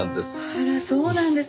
あらそうなんです？